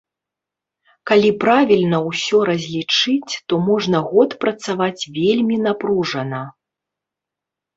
Калі правільна ўсё разлічыць, то можна год працаваць вельмі напружана.